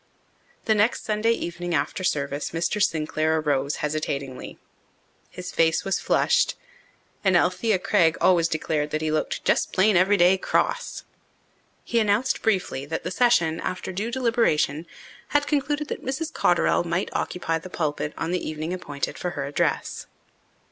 The next Sunday evening after service Mr. Sinclair arose hesitatingly. His face was flushed, and Alethea Craig always declared that he looked "just plain everyday cross." He announced briefly that the session after due deliberation had concluded that Mrs. Cotterell might occupy the pulpit on the evening appointed for her address.